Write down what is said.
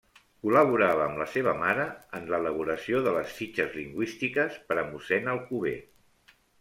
Col·laborava amb la seva mare en l'elaboració de les fitxes lingüístiques per a mossèn Alcover.